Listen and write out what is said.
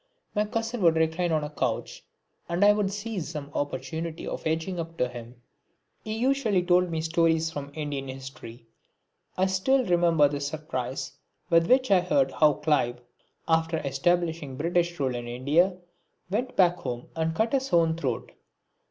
My cousin would recline on a couch, and I would seize some opportunity of edging up to him. [Illustration: My Eldest Brother] He usually told me stories from Indian History. I still remember the surprise with which I heard how Clive, after establishing British rule in India, went back home and cut his own throat.